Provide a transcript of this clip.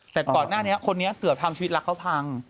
แต่ก่อนหน้านี้คนนี้เกือบทำชีวิตรักเขาพัง